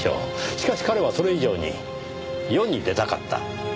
しかし彼はそれ以上に世に出たかった。